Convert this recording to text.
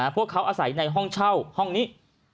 พวกเขาอาศัยในห้องเช่าห้องนี้